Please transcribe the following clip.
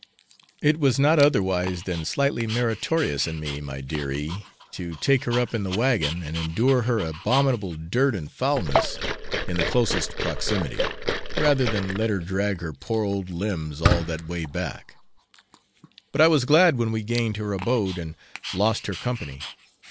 It was not otherwise than slightly meritorious in me, my dear E , to take her up in the wagon and endure her abominable dirt and foulness in the closest proximity, rather than let her drag her poor old limbs all that way back; but I was glad when we gained her abode and lost her company.